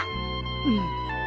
うん。